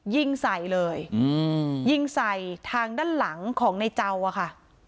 ยิงใส่เลยยิงใส่ทางด้านหลังของในเจ้าอะค่ะ